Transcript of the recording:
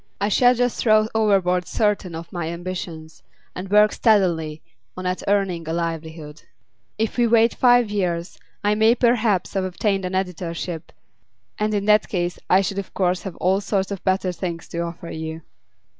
I shall just throw overboard certain of my ambitions, and work steadily on at earning a livelihood. If we wait five years, I may perhaps have obtained an editorship, and in that case I should of course have all sorts of better things to offer you.